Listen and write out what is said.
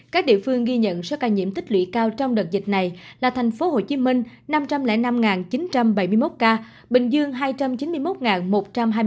các địa phương ghi nhận số ca nhiễm tích lũy cao trong đợt dịch này là thành phố hồ chí minh năm trăm linh năm chín trăm bảy mươi một ca bình dương hai trăm chín mươi một một trăm hai mươi bảy ca đồng nai chín mươi tám hai trăm tám mươi một